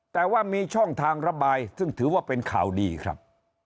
แต่ว่ามีช่องทางระบายซึ่งถือว่าเป็นข่าวดีครับ